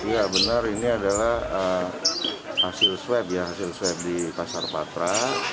iya benar ini adalah hasil swab ya hasil swab di pasar patra